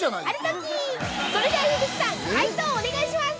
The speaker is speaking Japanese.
◆それでは樋口さん解答をお願いします！